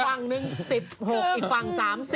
ฝั่งหนึ่ง๑๖อีกฝั่ง๓๐